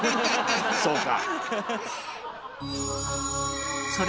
そうか。